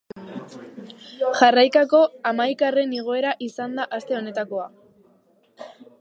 Jarraikako hamaikagarren igoera izan da aste honetakoa.